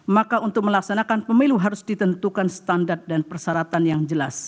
maka untuk melaksanakan pemilu harus ditentukan standar dan persyaratan yang jelas